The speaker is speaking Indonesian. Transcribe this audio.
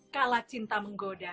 kala cinta menggoda